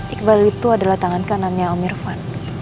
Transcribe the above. iqbal itu adalah tangan kanannya om irfan